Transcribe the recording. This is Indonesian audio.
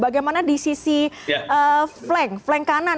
bagaimana di sisi flank flank kanan